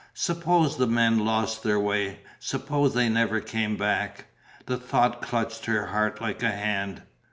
Suppose the men lost their way suppose that they never came back? The thought clutched her heart like a hand.